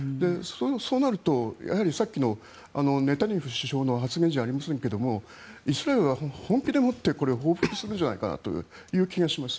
そうなるとやはりさっきのネタニヤフ首相の発言じゃありませんがイスラエルは本気でもって報復するんじゃないかという気がします。